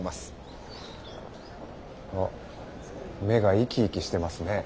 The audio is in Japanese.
あ目が生き生きしてますね。